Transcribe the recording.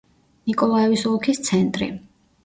ნიკოლაევის ოლქის ცენტრი.